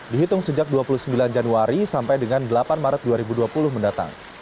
dihitung sejak dua puluh sembilan januari sampai dengan delapan maret dua ribu dua puluh mendatang